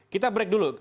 kita break dulu